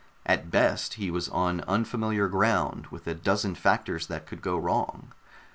At best, he was on unfamiliar ground, with a dozen factors that could go wrong.